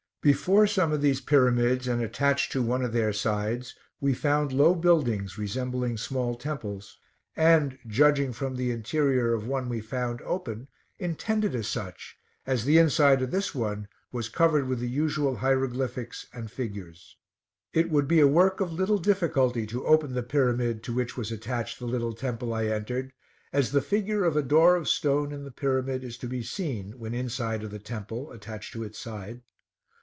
Before some of these pyramids, and attached to one of their sides, we found low buildings, resembling small temples, and, judging from the interior of one we found open, intended as such, as the inside of this one was covered with the usual hieroglyphics and figures. It would be a work of little difficulty to open the pyramid to which was attached the little temple I entered, as the figure of a door of stone in the pyramid is to be seen, when inside of the temple, attached to its side.